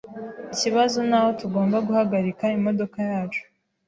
Ikibazo ni aho tugomba guhagarika imodoka yacu .